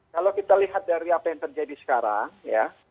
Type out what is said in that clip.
kalau kita lihat dari apa yang terjadi sekarang ya